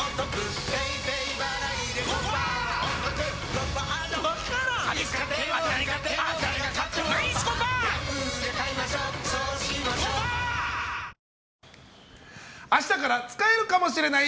そのまま明日から使えるかもしれない！？